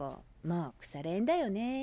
まあ腐れ縁だよねー。